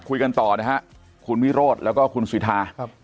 คุยกันต่อนะฮะคุณวิโรธแล้วก็คุณสิทธา